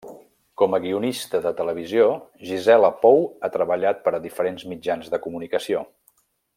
Com a guionista de televisió, Gisela Pou ha treballat per a diferents mitjans de comunicació.